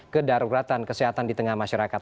kedaruratan kesehatan di tengah masyarakat